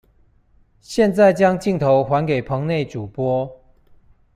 現在將鏡頭還給棚內主播